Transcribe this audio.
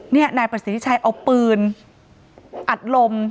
นี่นายประสิทธิชัยเอาปืนอัดลม